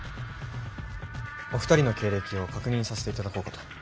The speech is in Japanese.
お二人の経歴を確認させていただこうかと。